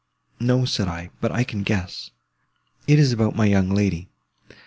No, said I, but I can guess—it is about my young lady.